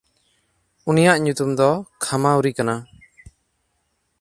ᱩᱱᱤᱭᱟᱜ ᱧᱩᱛᱩᱢ ᱫᱚ ᱠᱷᱟᱢᱟᱩᱨᱤ ᱠᱟᱱᱟ᱾